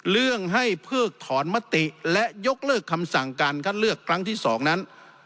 เรื่องให้เพิกถอนมติและยกเลิกคำสั่งการคัดเลือกครั้งที่๒นั้น